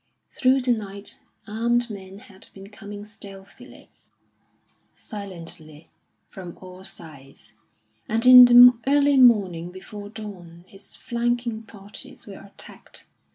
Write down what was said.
Through the night armed men had been coming stealthily, silently, from all sides; and in the early morning, before dawn, his flanking parties were attacked.